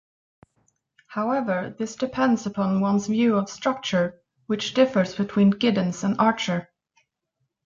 However, this depends upon one's view of structure, which differs between Giddens and Archer.